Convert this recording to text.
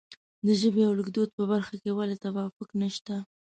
د ژبې او لیکدود په برخه کې ولې توافق نشته.